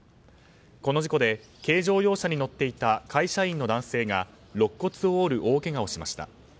この事故で軽乗用車に乗っていた会社員の男性が肋骨を折る大けがをしました。